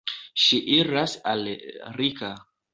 Ŝi iras al Rika.